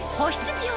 美容